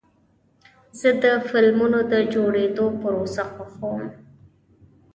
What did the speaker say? زه د فلمونو د جوړېدو پروسه خوښوم.